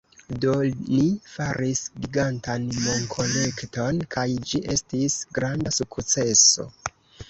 Do, ni faris gigantan monkolekton kaj ĝi estis granda sukceso